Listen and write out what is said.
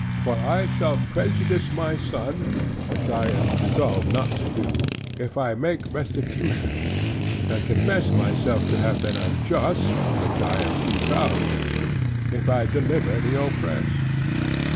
For I shall prejudice my son (which I am resolved not to do) if I make restitution; and confess myself to have been unjust (which I am too proud to do) if I deliver the oppressed."